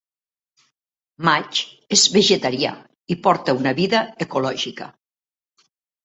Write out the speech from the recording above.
Macht és vegetarià i porta una vida ecològica.